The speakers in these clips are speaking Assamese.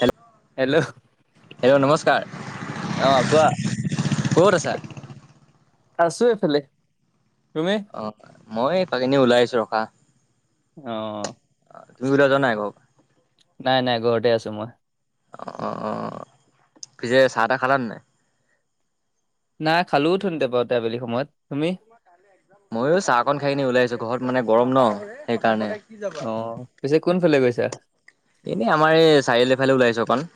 Hello, hello hello! নমস্কাৰ। অ কোৱা ক'ত আছা? আছো এইফালে। তুমি? অ। মই এইফালে ইনে ওলাই আছো ৰখা। অ। [unintelligible] নাই নাই, ঘৰতে আছো মই। অ পিছে চাহ টাহ খালা নে নাই? নাই খালো উঠুনিতে বাৱ তে আবেলি সময়ত। তুমি? [inaudible] মইও চাহকন খাই কিনি ওলাই আহিছো। ঘৰত মানে গৰম ন, সেইকাৰণে। অ, পিছে কোন ফালে গৈছা? ইনে আমাৰ এ চাৰিআলিফালে ওলাইছো অকণ।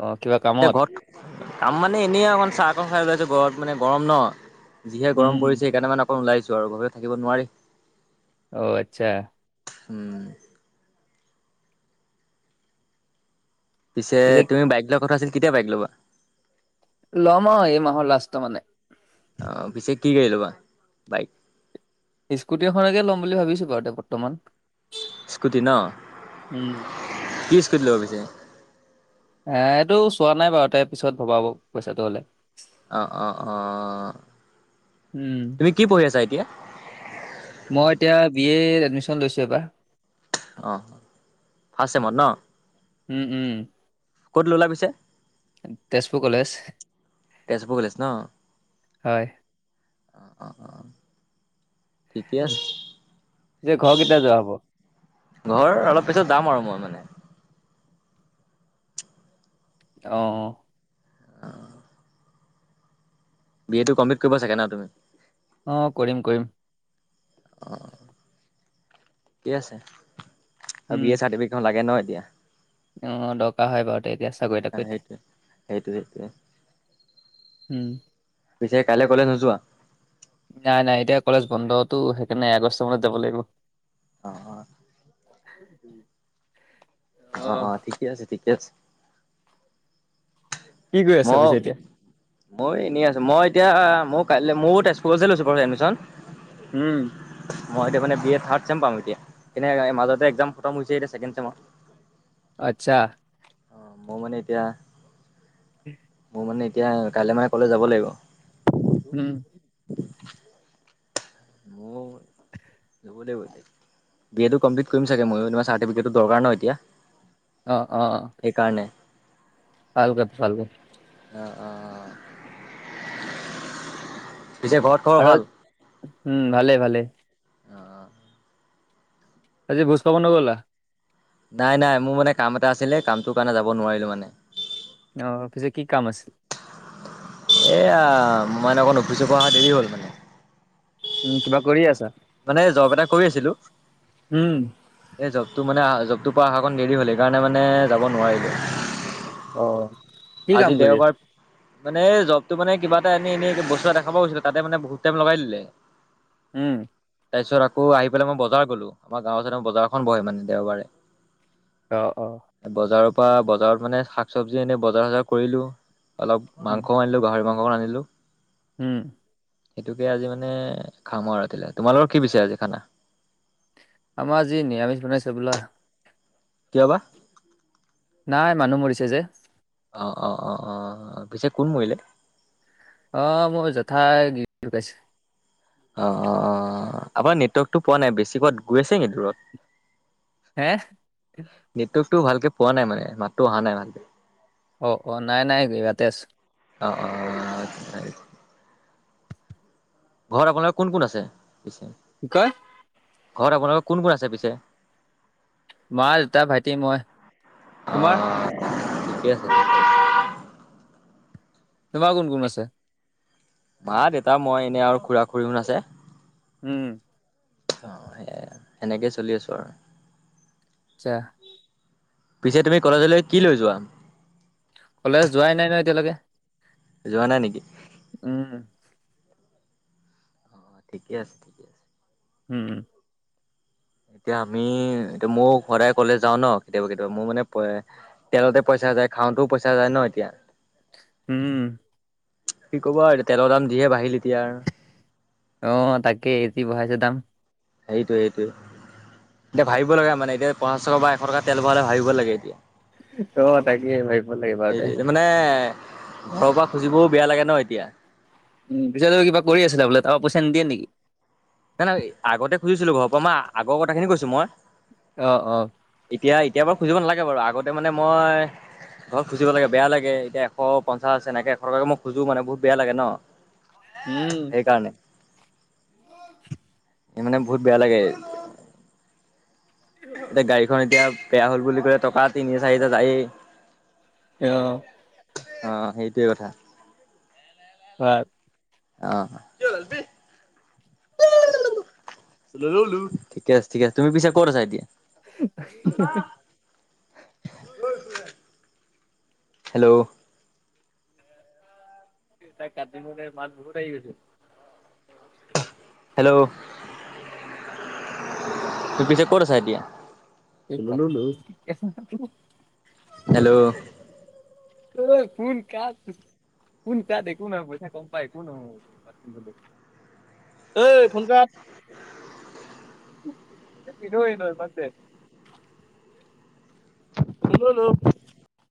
অ, কিবা এতিয়া কামত? ঘৰত কাম মানে এনেই অকণ চাহকণ খাই ওলাইছো। ঘৰত মানে গৰম ন। যিহে উম গৰম পৰিছে, সেইকাণে মানে অকণ ওলাইছো আৰু ঘৰত থাকিব নোৱাৰি। অ, আচ্ছা। উম। পিছে তুমি বাইক লোৱা কথা আছিল, কেতিয়া বাইক ল'বা? লম আৱ এই মাহৰ লাষ্ট মানে। অ, পিছে কি গাড়ী ল'বা, বাইক? স্কুটি এখনকে ল'ম বুলি ভাবিছো বাৰুতে বৰ্তমান। স্কুটি ন? উম কি স্কুটি ল'ব পিছে? এ এইটো চোৱা নাই বাওতে। পিছত ভবাব পইচাটো হ'লে। অ অ অ। উম তুমি কি পঢ়ি আছা এতিয়া? মই এতিয়া বি এৰ এডমিশন লৈছো এবা। অঁ। ফাৰ্ষ্ট চেমত ন? উম উম ক'ত ল'লা পিছে? তেজপুৰ কলেজ। তেজপুৰ কলেজ ন? হয় অঁ অঁ অঁ। যে ঘৰ কেতিয়া যোৱা হব? ঘৰ, অলপ পিছত যাম আৰু মই মানে। অঁ অ। [unintelligible] বি এ টো কমপ্লিট কৰিবা চাগে ন, তুমি? অ, কৰিম কৰিম। অ ঠিকে আছে। আও উম বি এ চাতিবে ন লাগে ন এতিয়া? অ দকা হয় বাৱ তেতিয়া চাকৈ তাকৈত সেইটোৱে সেইটো সেইটোৱে। উম। পিছে কাইলে কলেজ নোযোৱা? নাই, নাই এতিয়া কলেজ বন্ধতো সেইকাৰণে আগষ্ট মানত যাব লাগিব। অ', অ', অহ অ', ঠিকে আছে, ঠিকে আছে। কি কৰি আছা পিছে ম এতিয়া ময়ো এনেই আছোঁ মই এতিয়া ময়ো কাইলে ময়ো তেজপুৰতে লৈছো বাৰু এডমিচন। উম। মই এতিয়া মানে বি এ থাড চেম পাম এতিয়া [unintelligible] মাজতে একজাম খতম হৈছেহে ছেকেণ্ড চেমত। [inaudible] আচ্ছা। অ', মও মানে এতিয়া মও মানে এতিয়া কাইলৈ মানে ক'লেজ যাব লাগিব। উম। [inaudible] [unintelligible] বি এ টো কমপ্লিট কৰিম চাগে ময়ো চাৰ্টিফিকেটটো দৰকাৰ ন' এতিয়া? অ', অ'। সেইকাৰণে। [unintelligible] অ' পিছে ঘৰত খবৰ ভাল ঘৰত হম, ভালে ভালে। অঁ আজি ভোজ খাব নগ'লা? নাই, নাই মোৰ মানে কাম এটা আছিলে কামটো কাৰণে যাব নোৱাৰিলোঁ মানে। অ', পিছে কি কাম আছি এয়া মই অকণ অফিচৰ পৰা অহা দেৰি হ'ল মানে। উম, কিবা কৰি আছা? মানে জব এটা কৰি আছিলোঁ। উম এই জবটো মানে আ-জবটো পৰা অহা অকণ দেৰি হ'ল সেইকাৰণে মানে যাব অ নোৱাৰিলোঁ। কি কাম আজি কৰি দেওবাৰ। আছা মানে এ, জবতো মানে কিবা এনে এনে বস্তু এটা দেখাব গৈছিলোঁ তাতে মানে বহুত টাইম লগাই দিলে। উম। তাৰপিছত আকৌ আহি পেলাই মই বজাৰ গ'লো আমাৰ গাঁওৰ ওচৰতে বজাৰখন বহে মানে দেওবাৰে। অ', অ'। বজাৰৰ পৰা বজাৰত মানে শাক চবজি এনে বজাৰ চজাৰ কৰিলোঁ। অলপ উম মাংসও আনিলোঁ গাহৰি মাংস অকন আনিলোঁ। উম। সেইটোকে আজি মানে খাম আৰু ৰাতিলে তোমালোকৰ কি পিছে আজি খানা? আমাৰ আজি নিৰামিষ বনাইছে হ'বলা। কিয় বা? নাই, মানুহ মৰিছে যে। অ', অ', অ', অ', পিছে কোন মৰিলে? অ', মোৰ জেঠাই গিৰি ঢুকাইছে। অ', অ', আমাৰ নেটৱৰ্কটো পোৱা নাই বেছি ক'ত গৈ আছে নেকি দূৰত? হে নেটৱৰ্কটো ভালকে পোৱা নাই মানে, মাতটো অহা নাই ভালকে। অ অ নাই নাই ইয়াতে আছে। অ অ। ঘৰত আপোনালোকে কোন কোন আছে পিছে? কি কয়? ঘৰত আপোনালোকৰ কোন- কোন আছে পিছে? মা, দেউতা, ভাইটি, মই। অ তোমাৰ? ঠিকে আছে। তোমাৰ কোন কোন আছে? মা, দেউতা, মই এনে আৰু খুৰা খুৰীহত আছে। উম। অঁ সেইয়াই আৰ, সেনেকেই চলি আছোঁ আৰু। চ্চা পিছে তুমি কলেজলৈ কি লৈ যোৱা? কলেজ যোৱাই নাই নহয় এতিয়ালৈকে। যোৱা নাই নেকি? উম। অ ঠিকে আছে, ঠিকে আছে উম। এতিয়া আমি, এতিয়া ময়ো সদায় কলেজ যাও ন, কেতিয়াবা কেতিয়াবা মোৰ মানে পই তেলতে পইচা যায়, খাওঁতেও পইচা যায় ন, এতিয়া। হুম। কি কবা আৰু এতিয়া, তেলৰ দাম যিহে হে বাঢ়িল এতিয়া আৰু। অঁ, তাকেই যি বঢ়াইছে দাম। সেইটোৱে সেইটোৱে, এতিয়া ভাবিব লাগে মানে এতিয়া পঞ্চাশ টকা বা এশ টকা তেল ভৰালে ভাবিব লাগে এতিয়া। অ, তাকে ভাবিব লাগিব বাৰু তে। এই মানে, ঘৰৰ পৰা খুজিবও বেয়া লাগে ন এতিয়া। [inaudible] কিবা কৰি আছিলে বোলে, তাৰপৰা পইচা নিদিয়ে নেকি? নাই- নাই আগতে খুজিছিলো ঘৰৰ পৰা মই, আগৰ কথাখিনি কৈছোঁ মই। অ অহ। এতিয়া এতিয়া বাৰু খুজিব নালাগে বাৰু, আগতে মানে মই ঘৰত খুজিব লাগে, বেয়া লাগে। এতিয়া এশ পঞ্চাশছে এনেকে, এশ টকাকে মই খোজো মানে, বহুত বেয়া লাগে ন। উম। সেইকাৰণে [inaudible] এই মানে বহুত বেয়া লাগে। এতিয়া গাড়ীখন এতিয়া বেয়া হল বুলি কলে, টকা তিনি হাজাৰ চাৰি হেজাৰ যায়েই। অঁ। অঁ, সেইটোৱে কথা। হয়। অহ [unintelligible] ঠিকে আছে, ঠিক আছে। তুমি পিছে ক'ত আছা এতিয়া? [unintelligible] হেল্ল'। [inaudible] কাটিবলে মাত বহুত আহি গৈছে। হেল্ল'। তোৰ পিছে ক'ত আছা এতিয়া? বান হেল্ল'। এই কোন কাৰ? কোন তাৰ একো পইচা কম পায় একো নহয়। ঐ' ফোন কাত। বাদ দে। [unintelligible]